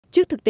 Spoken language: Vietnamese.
trước thực tế